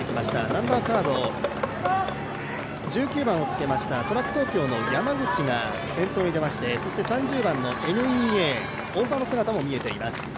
ナンバーカード１９番をつけました、ＴＲＡＣＫＴＯＫＹＯの山口が先頭に出ましてそして３０番ＮＥＡ・大澤の姿も見えます。